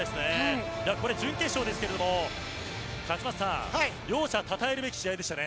これは準決勝ですけど勝俣さん、両者たたえるべき試合でしたね。